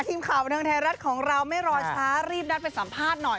ทีมข่าวบันเทิงไทยรัฐของเราไม่รอช้ารีบนัดไปสัมภาษณ์หน่อย